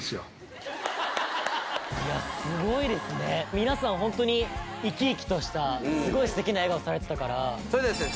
皆さんホントに生き生きとしたすごい素敵な笑顔されてたからそれではですね